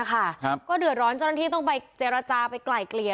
เพราะเดือดร้อนที่ต้องไปเจรจาไปไกลเกลี่ย